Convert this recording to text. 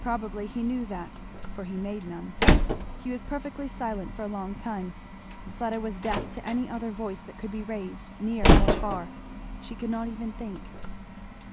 Probably he knew that, for he made none. He was perfectly silent for a long time, and Fleda was deaf to any other voice that could be raised, near or far. She could not even think.